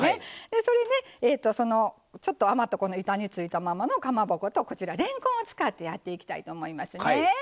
それにちょっと余った板についたままのかまぼことこちられんこんを使ってやっていきたいと思いますね。